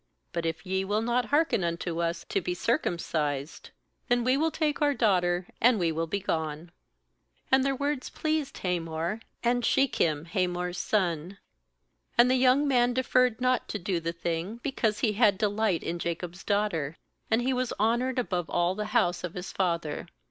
17But if ye will not hearken unto us, to be circumcised; then will we take our daughter, and we will be gone/ 18And their words pleased Hamor, and Shechem Hamor's son. 19And the young man deferred not to do the thing, because he had delight in Jacob's daughter. And he was honoured above all the house of his father.